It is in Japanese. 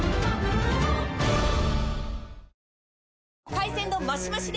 海鮮丼マシマシで！